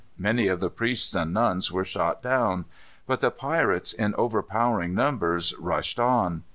Many of the priests and nuns were shot down. But the pirates, in overpowering numbers, rushed on.